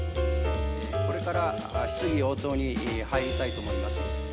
これから質疑応答に入りたいと思います。